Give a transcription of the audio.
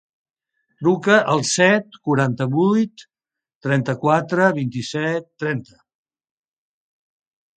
Truca al set, quaranta-vuit, trenta-quatre, vint-i-set, trenta.